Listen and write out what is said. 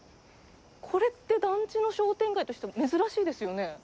これって団地の商店街としては珍しいですよね。